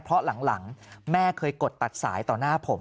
เพราะหลังแม่เคยกดตัดสายต่อหน้าผม